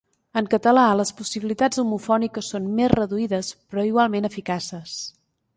En català les possibilitats homofòniques són més reduïdes però igualment eficaces.